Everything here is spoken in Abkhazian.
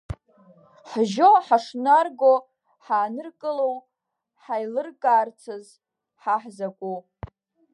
Ҳжьо ҳашнарго ҳааныркылоу, ҳаилыркаарцаз ҳа ҳзакәу?